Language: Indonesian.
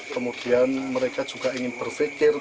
kemudian mereka juga ingin berpikir